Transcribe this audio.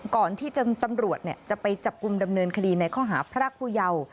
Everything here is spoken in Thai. ก่อนที่ตำรวจจะไปจับกลุ่มดำเนินคดีในข้อหาพรากผู้เยาว์